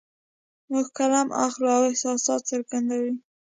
موږ قلم اخلو او احساسات څرګندوو